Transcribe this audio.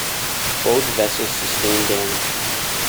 Both vessels sustained damage.